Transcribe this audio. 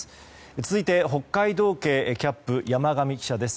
続いて、北海道警キャップ山上記者です。